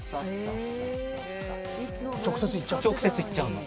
直接いっちゃうの。